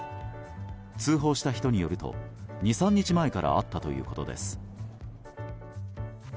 通報した人によると２３日前からあったということです。